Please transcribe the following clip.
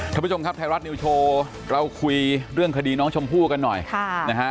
ท่านผู้ชมครับไทยรัฐนิวโชว์เราคุยเรื่องคดีน้องชมพู่กันหน่อยค่ะนะฮะ